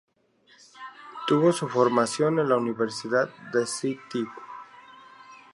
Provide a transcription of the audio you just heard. Tuvo su formación en la Universidad de St.